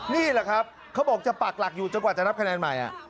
นี่แหละครับเขาบอกจะปักหลักอยู่จนกว่าจะนับคะแนนใหม่